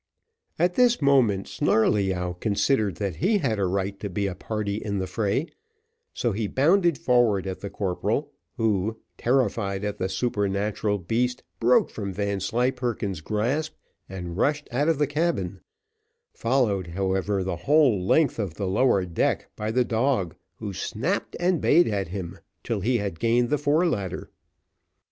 At this moment Snarleyyow considered that he had a right to be a party in the fray, so he bounded forward at the corporal, who, terrified at the supernatural beast, broke from Vanslyperken's grasp, and rushed out of the cabin, followed, however, the whole length of the lower deck by the dog, who snapped and bayed at him till he had gained the fore ladder.